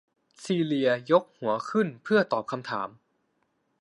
ซีเลียยกหัวขึ้นเพื่อตอบคำถาม